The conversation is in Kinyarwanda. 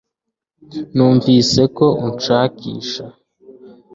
numvise ko unshakisha